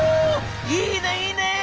「いいねいいね！」。